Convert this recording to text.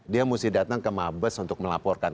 dia mesti datang ke mabes untuk melaporkan